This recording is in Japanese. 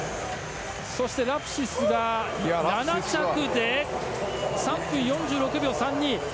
ラプシスが７着で３分４６秒３２。